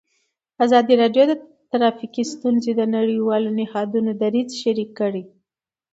ازادي راډیو د ټرافیکي ستونزې د نړیوالو نهادونو دریځ شریک کړی.